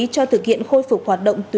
cho thực hiện khôi phục hoạt động